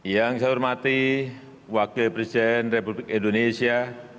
yang saya hormati wakil presiden republik indonesia